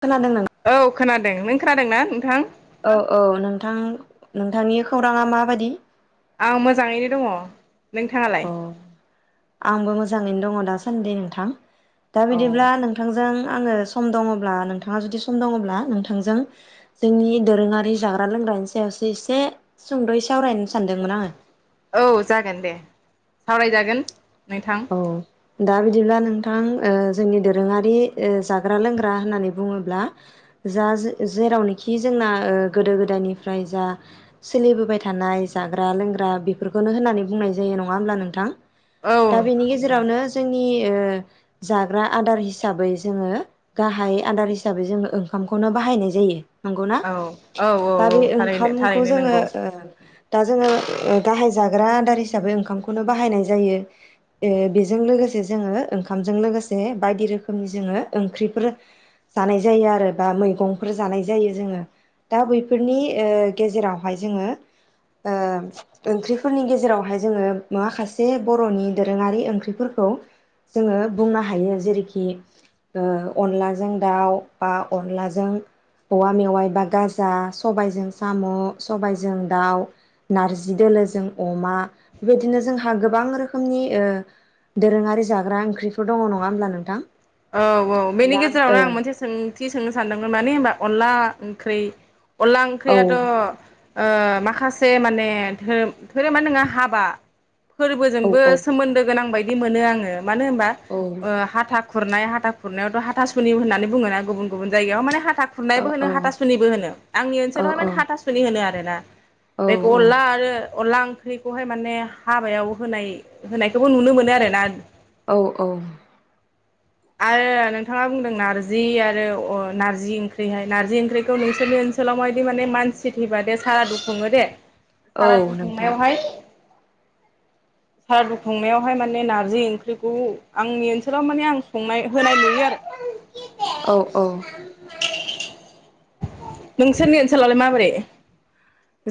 खोनादों नोंथां। औ खोनादों नों खोनादोंना नोंथां औ औ नोंथां नोंथांनि खौराङा माबादि आं मोजाङैनो दङ नोंथाङालाय अ आंबो मोजां जाङैनो दङ दासान्दि नोंथां दा औ बिदिब्ला नोंथांजों आङो सम दङब्ला नोंथाङा जुदि सम दङब्ला नोंथांजों जोंनि दोरोङारि जाग्रा लोंग्रानि सायावसो एसे सुंदयै सावरायन औ जागोन दे सावरायजागोन नोंथां औ दा बिदिब्ला नोंथां जोंनि दोरोङारि जाग्रा लोंग्रा होननानै बुङोब्ला जा जेरावनोखि जोंना गोदो गोदायनिफ्राय जा सोलिबोबाय थानाय जाग्रा लोंग्रा बेफोरखौनो होननानै बुंनाय जायो नङा होमब्ला नोंथां औ दा बेनि नोंथां गेजेरावनो जोंनि ओ जाग्रा आदार हिसाबै जोङो गाहाय आदार हिसाबै जोङो ओंखामखौनो बाहायनाय जायो। नंगौ ना औ औ औ दा औ बे थारैनो ओंखामखौ थारैनो जोङो नंगौ ओ दा जोङो गाहाय जाग्रा आदार हिसाबै ओंखामखौनो बाहायनाय जायो। ओबेजों लोगोसे जोङो ओंखामजों लोगोसे बायदि रोखोमनि जोङो ओंख्रिफोर जानाय जायो आरो बा मैगंफोर जानाय जायो जोङो दा बैफोरनि गेजेरावहाय जोङो ओंख्रिफोरनि गेजेरावहाय जोङो माखासे बर'नि दोरोङारि ओंख्रिफोरखौ जोङो बुंनो हायो जेरैखि अनलाजों दाउ बा अनलाजों औवा मेवाय बा गाजा सबायजों साम सबायजों दाउ नारजि दोलोजों अमा बेबायदिनो जोंहा गोबां रोखो खोमनि दोरोङारि जाग्रा ओंख्रिफोर दङ नङा होमब्ला नोंथां औ औ बेनि दा गेजेरावनो आं मोनसे सोंथि सोंनो सानदोंमोन माने होनबा अनला ओंख्रि अनला ओ ओंख्रियाथ' ओ माखासे माने धोरोम धोरोमा नङा हाबा औ फोरबोजोंबो औ सोमोन्दो गोनां बायदि दि मोनो आङो मानो होनबा हाथा खुरनाय हाथा खुरनायावथ हाथासुनि होननानै बुङोना गुबुन गुबुन जायगायाव माने हाथा हाथा खुरनायबो होनो हाथासुनिबो होन आंनि औ ओनसोलावहाय माने हाथासुनि होनो आर रोना बे औ अनला आरो अनला ओंख्रिखौहाय माने हाबायाव होनाय होनायखौबो नुनो मोनो आरोना औ औ आरो नोंथाङा बुंदों नारजि आरो अ नारजि ओंख्रिहाय नार्जि ओंख्रिखौ नोंसोरनि ओनसोलाव मायदि माने मानसि थैबा दे सारा दुखुङो दे। औ सारादु नोंथां खुंनायावहाय सारादु खुंनायावहाय माने नारजि ओंख्रिखौ आंनि ओनसोलाव माने आं संनाय होनाय नुयो आरो औ औ नोंसोरनि ओनसोलावलाय माबोरै?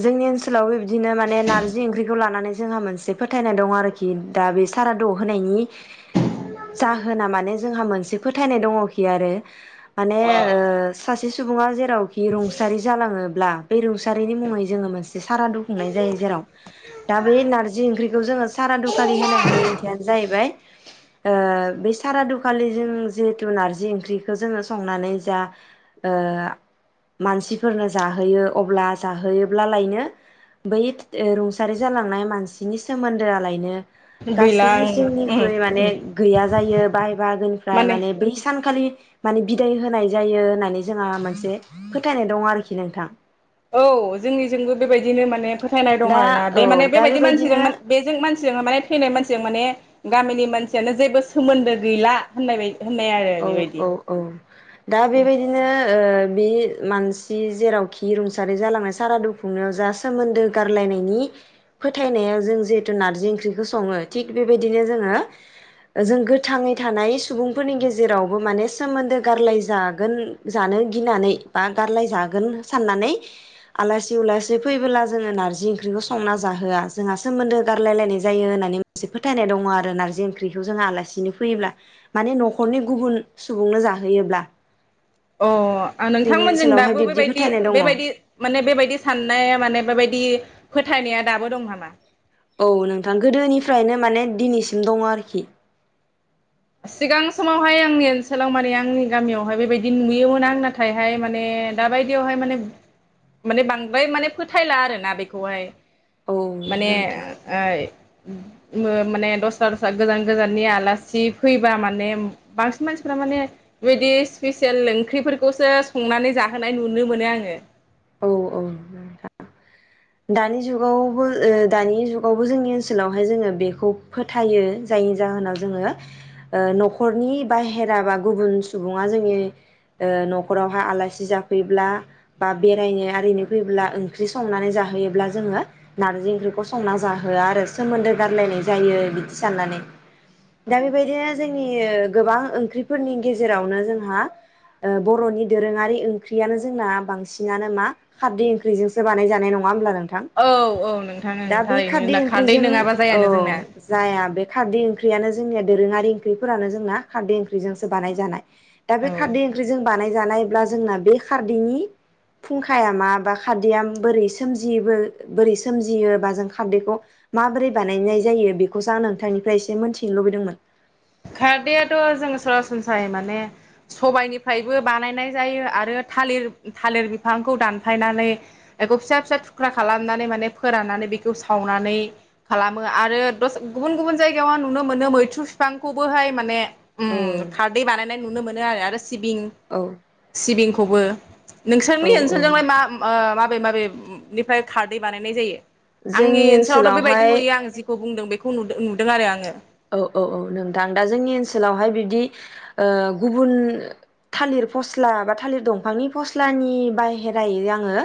जोंनि ओनसोलावबो बिदिनो माने नारजि ओंख्रिखौ लानानै जोंहा मोनसे फोथायनाय दं आरोखि दा बे सारादुआव होनायनि जाहोना माने जोंहा मोनसे फोथायनाय दङखि आरो माने ओ सास सुबुङा जे जेरावखि रुंसारि जालाङोब्ला बे रुंसारि नि मुङै मोनसे सारादु खुंनाय जायो जेराव दा बे नारजि ओंख्रिखौ जोङो सारादुखालि होनायनि ओंथियानो जाहैबाय बाय ओ बे सारादुखालि जों जिहेतु नारजि ओंख्रिखौ जोङो संनानै जा ओ मानसिफोरनो जाहोयो अब्ला जाहोयोब्लालायनो बै रुंसारि जालांनाय मानसिनि सोमोन्दोआलायनो गैला गासै उम जिउनिख्रुइ माने गैया जायो बाहाय बाहागोनिफ्राय माने बै सानखालि माने बिदाय होनाय जायो होननानै जोंहा मोनसे फोथायनाय दं आरोखि नोंथां। औ जोंनिजोंबो बेबायदिनो माने खो फोथायनाय दं दा आरोना बे औ माने दा बेबायदि बेबायदिनो मानसिजों [unintelligible] माने थैनाय मानसिजों माने गामिनि मानसियानो जेबो सोमोन्दो गैला होननाय बाय औ औ औ दा बेबायदिनो ओ बे मानसि जेरावखि रुंसारि जालांनाय सारादु खुंनायाव जा सोमोन्दो गारलायनायनि फोथायनायाव जों जिहेतु नारजि ओंख्रिखौ सङो थिग बेबायदिनो जोङो जों गोथाङै थानाय सुबुंफोरनि गेज जेरावबो माने सोमोन्दो गारलाय जागोन जानो गिनानै बा गारलाय जागोन साननानै आलासि उलासि फैबोब्ला जोङो नार्जि ओंख्रिखौ संना जाहोआ जोंहा सोमोन्दो गारलायलायनाय जायो होननानै मोनसे फोथायनाय दङ आरो नारजि ओंख्रिखौ जोंहा आलासिनो फैयोब्ला माने नख न'खरनि गुबुन सुबुंनो जाहोयोब्ला अ ओ जोंनि नोंथांमोनजों ओनसोलावहाय दाबो बिब्दि बेबायदि फोथायनाय दङ बेबायदि माने बेबायदि साननाया माने बेबायदि फोथायनाया दाबो दं नामा? औ नोंथां गोदोनिफ्रायनो माने दिनैसिम दङ आरोखि। सिगां समावहाय आंनि ओनसोलाव माने आंनि गामियावहाय बेबायदि नुयोमोन आं नाथायहाय माने दााबायदियावहाय माने माने बांद्राय माने फोथायला आरोना बेखौहाय। औ माने नोंथां ओय [unintelligible] माने दस्रा दस्रा गोजान गोजाननि आलासि फैबा माने बांसिन मानसिफ्रा माने बेबायदि स्पेसियेल ओंख्रिफोरखौसो संनानै जाहोनाय नुनो मोनो आङो। औ औ [unintelligible] दानि जुगावबो दानि जुगावबो जोंनि ओनसोलावहाय जोङो बेखौ फोथायो जायनि जाहोनाव जोङो ओ न'खरनि बाहेरा बा गुबुन सुबुङा जोंनि ओ न'खरावहाय आलासि जाफैब्ला बा बेरायनो आरिनो फैयोब्ला ओंख्रि संनानै जाहोयोब्ला जोङो नारजि ओंख्रिखौ संना जाहोआ आरो सोमोन्दो गारलायनाय जायो बिदि साननानै दा बेबायदिनो जोंनि गोबां ओंख्रिफोरनि गेजेरावनो जोंहा ओ बर'नि दोरोङारि ओंख्रियानो जोंना बांस बांसिनानो मा खारदै ओंख्रिजोंसो बानाय जानाय नङा होनब्ला नों औ औ नोंथां ओं थारैनो खारदै ओंख्रिजों नङाबा औ जायानो जोंना। जाया बे खारदै ओंख्रियानो जोंनिया दोरोङारि ओंख्रिफोरानो जोंना खारदै ओंख्रिजोंसो बानाय जानाय। दा बे औ खारदै ओंख्रिजों बानाय जानायब्ला जोंना बे खारदैनि फुंखाया मा बा खारदैआ बोरै सोमजियो बो बोरै सोमजियोबा जों खारदैखौ माबोरै बानायनाय जायो बेखौसो आं नोंथांनिफ्राय एसे मोनथिनो लुबैदोंमोन। खारदैआथ' जोंङो सरासनस्रायै माने सबायनिफ्रायबो बानायनाय जायो आरो थालिर थालिर बिफांखौ दानफायनानै एखौ फिसा फिसा थुख्रा खालामनानै माने फोराननानै बेखौ सावनानै खालामो आरो दस गुबुन गुबुन जायगायावह नुनो मोनो मैथ्रु फिफां खौबोहाय माने ओम औ खार दै बानायनाय नुनो मोनो आरो आरो सिबिं औ सिबिं खौबो औ नोंसोरनि औ ओनसोलजोंलाय मा? ओ माबे माबे निफ्राय खारदै बानायनाय जायो? आंनि जोंनि ओनसोलावथ' बेबायदि ओनसोलावहाय नुयो आं जिखौ बुंदों बेखौ नुदों नु दों आरो आङो औ औ औ नोंथां दा जोंनि ओनसोलावहाय बिबदि ओ गुबुन थालिर फस्ला बा थालिर दंफांनि फस्लानि बाहेरायै आङो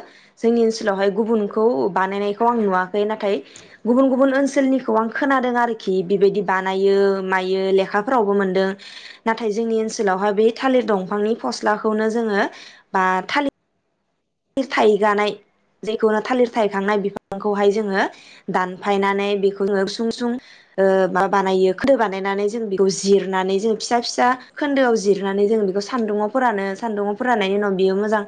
जोंनि ओनसोलावहाय गुबुनखौ बानायनायखौ आं नुवाखै नाथाय गुबुन गुबुन ओनसोलनिखौ आं खोनादों आरोखि बेबायदि, बानायो मायो लेखाफोरावबो मोनदों नाथाय जोंनि ओनसोलावहाय बे थालिर दंफांनि फस्लाखौनो जोङो बा थालिर लिर थाइगानाय जायखौनो थालिर थायखांनाय बिफांखौहाय जोङो दानफायनानै बेखौ जोङो गुसुं गुसुं ओ मा बानायो खोन्दो बानायनानै जों बेखौ जिरनानै जोङो फिसा फिसा खोन्दोआव जिरनानै जों बेखौ सानदुङाव फोरानो सानदुङाव फोराननायनि उनाव बेयो मोजां,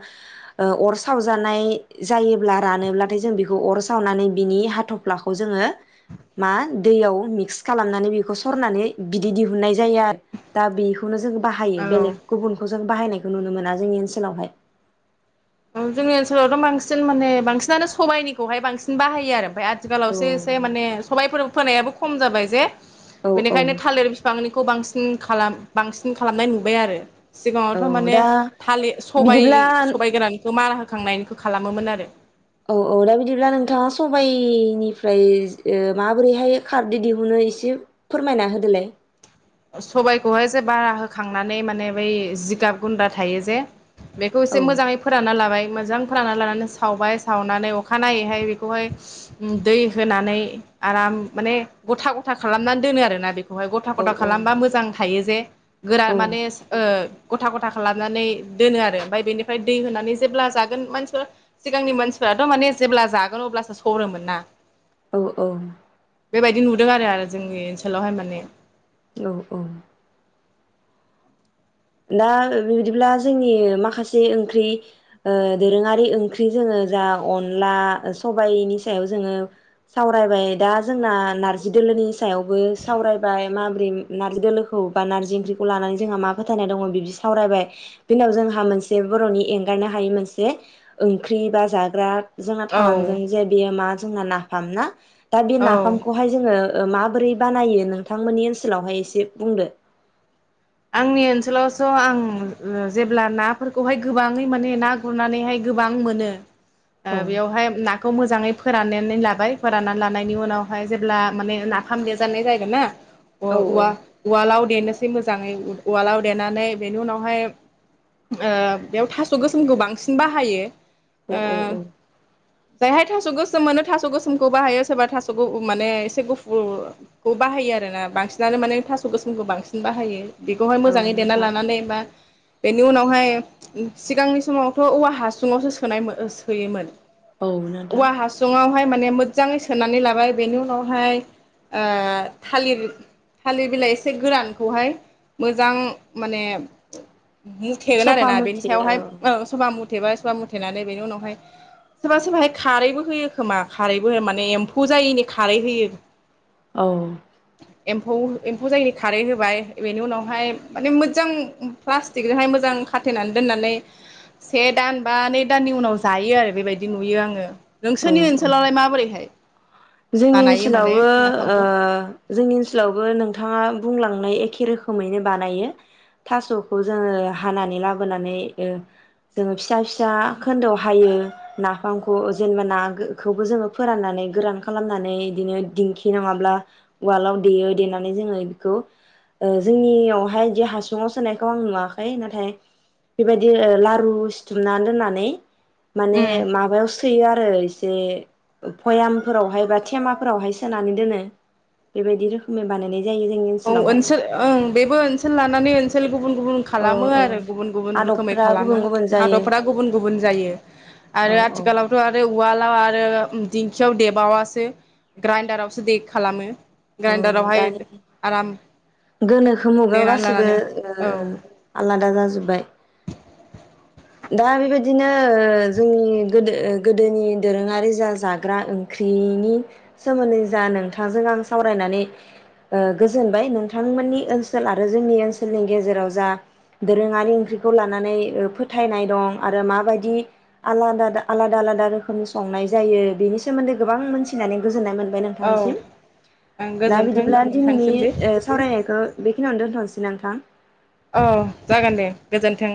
ओ अर सावजानाय जायोब्ला रानोब्लाथाय जों बेखौ अर सावनानै बिनि हाथ'फ्लाखौ जोङो मा दैयाव मिक्स खालामनानै बेखौ सरनानै बिदै दिहुननाय जायो आरो दा बेखौनो जों, बाहायो औ बेलेग गुबुनखौ जों बायनायखौ नुनो मोना जोंनि ओनोलावहाय, औ जोंनि ओनसोलावथ' बांसिन माने बांसिनानो सबाइनिखौहाय बांसिन बाहायो आरो ओमफाय औ आथिखालावसो एसे माने सबायफोर फोनायाबो खम जाबाय जे औ औ बेनिखायनो थालिर फिफांनिखौ बांसिन, खालाम बांसिन खालामनाय नुबाय आरो औ सिगाङावथ' माने दा थालि सबाय बिदिब्ला सबाइ गोरान मारा होखांनायनिखौ खालामोमोन आरो औ औ दा बिदिब्ला नोंथाङा सबाइनिफ्राय ओ माबोरैहाय खारदो दिहुनो एसे फोरमायना होदोलाय, ओ सबायखौहाय जे बारा होखांनानै माने बै जिगाब गुन्द्रा थायो जे बेखौ एसे औ मोजाङै फोरानना लाबाय, मोजां फोरानना लानानै सावबाय सावनानै अखानायैहाय बेखौहाय दै होनानै आराम माने गथा गथा खालामनानै दोनो आरोना बेख खहाय गथा औ गथा औ खालामबा मोजां थायो जे गोरा औ माने ओ गथा गथा खालामनानै दोनो आरो ओमफाय बेनिफ्राय दै होनानै जेब्ला जागोन मानसिफोरा सिगांनि मानसिफोराथ' माने जेब्ला जागोन अब्लासो सरोमोन ना? औ औ बेबायदि नुदों आरो आरो जोंनि ओनसोलावहाय माने औ औ दा बिबदिब्ला जोंनि माखासे ओंख्रि ओ दोरोङारि ओंख्रि जोङो जा अनला सबायनि सायाव जोङो सावरायबाय दा जोंना नारजि दोलोनि सायावबो सावरायबाय माब्रै नारजि दोलोखौ बा नारजि ओंख्रिखौ लानानै जोंहा मा फोथायनाय दङ बिबदि सावरायबाय बेनि उनाव जोंहा मोनसे बर'नि एंगारनो हायि मोनसे ओंख्रि बा जाग्रा जोंहा औ थालांदों जे बेयो मा? जोंना नाफाम ना? दा बे औ नाफामखौहाय जोङो ओ माबोरै बानायो नोंथांमोननि ओनसोलावहाय एसे बुंदो, आंनि ओनसोलावस' आं जेब्ला नाफोरखौहाय गोबाङै माने ना गुरनानैहाय गोबां मोनो औ बेयावहाय ना खौ मोजाङै फोराननानै लाबाय फोराननानै लानायनि उनावहाय जेब्ला माने नाफाम देरजानाय जायागोन ना अ औ उव उव लाव दनो [unintelligible] मोजाङै उवालाव देनानै बेनि उनावहाय ओ बेयाव थास' गोसोमखौ बांसिन बाहायो औ औ ओ औ जायहाय थास' गोसोम मोनो थास' गोसोमखौ बाहायो सोरबा थास'फ माने एसे गुफुरखौ बाहायो आरोना बांसिनानो माने थास' गोसोमखौ बांसिन बाहायो बेखौहाय औ मोजाङै देना नोंथां लानानै बा बेनि उनावहाय सिगांनि समावथ' औवा हासुङावसो सोनायमो सोयोमोन औ नोथां बेहाय माने मोजाङै सोनानै लाबाय बेनि उनावहाय ओ थालिर थालिर बिलाइ एसे गोरानखौहाय मोजां माने मुथेगोन आरो सफा ना बेनि मुथे औ सायावहाय ओं सबा मु मुथेबा सोबा मुथेनानै बेनि उनावहाय सोरबा सोरबाहाय खारैबो होयो खोमा खारैबो हो माने एम्फौ जायिनि खारै होयो औ एम्फौ-एम्फौ जायनि खारै होबाय बेनि उनावहाय माने मोजां प्लास्टिकजोंहाय मोजां खाथेनानै दोननानै से दान बा नै दाननि उनाव जायो आरो बेबायदि नुयो आङो औ नोंसोरनि औ ओनसोलावलाय माबोरैहाय जोंनि बानायो माने ओनसोलावबो ओ नाफामखौ जोंनि ओनसोलावबो नोंथाङा बुंलांनाय एखे रोखोमैनो बानायो थास'खौ जोङो हानानै लाबोनानै ओ जोङो फिसा फिसा खोन्दोआव हायो नाफामखौ जेनेबा नाखौबो जोङो फोराननानै गोरान खालामनानै बिदिनो दिंखि नङाब्ला उवालाव देयो देनानै जोङो बेखौ ओ जोंनियावहाय बि हासुङाव सोनायखौ आं नुवाखै नाथाय बेबायदि लारु सिथुमनानै दोननानै माने उम माबायाव सो सोयो आरो एसे भयाम फोरावहाय बा थेमाफोरावहाय सोनानै दोनो बेबायदि रोखोमनि बानायनाय जायो जोंनि औ ओनसोलावहाय ओनसोल ओं बेबो ओनसोल लानानै ओनसोल गुबुन गुबुन औ खालामो औ आरो गुबुन गुबुन रोखोमै आदबफोरा गुबुन खालामो गुबुन जायो हादरफ्रा गुबुन गुबुन जायो आरो औ औ आथिखालावथ' आरो उ उवालाव आरो दिंखियाव देबाबासो ग्राइन्दारावसो दैे खालामो औ गान्डारावहाय दानि गोनोखो मुगायाव गासिबो लानानै ओ औ आलाद दा जाजोब्बाय दा बेबायदिनो ओ जोंनि गोदो ओ गोदोनि दोरोङारि जा जाग्रा ओंख्रिनि सोमोन्दै जा नोंथांजों आंजों सावरायनानै ओ गोजोनबाय नोंथांमोननि ओनसोल आरो जोंनि ओनसोलनि गेजेराव जा दोरोङारि ओंख्रिखौ लानानै ओ फोथायनाय दं आरो माबायदि आलाद आलादा आलादा रोखोमनि संनाय जायो बेनि सोमोन्दै गोबां मोनथिनानै गोजोननाय मोन बाय औ नोंथांनिसिम ओं दा गोजोन्थों बिदिब्ला दिनैनि नोंथांसिमबो ओ सावरायनायखौ बेखिनि यावनो दोनथ'नोसै ना नोंथां? औ जागोन दे। गोजोन्थों।